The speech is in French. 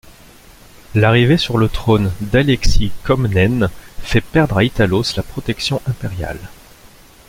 L'arrivée sur le trône d'Alexis Comnène fait perdre à Italos la protection impériale.